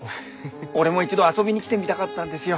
俺も一度遊びに来てみたかったんですよ。